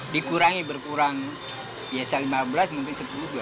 dikurangi berkurang biasa lima belas mungkin sepuluh dua